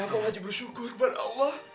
bapak wajib bersyukur kepada allah